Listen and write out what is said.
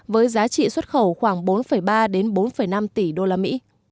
với giá trị xuất khẩu khoảng bốn ba đến bốn năm tỷ usd